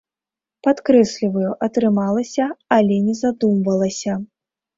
Падкрэсліваю, атрымалася, але не задумвалася!